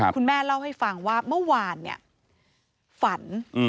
คุณแม่เล่าให้ฟังว่าเมื่อวานเนี่ยฝัน